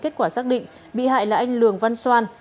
kết quả xác định bị hại là anh lường văn xoan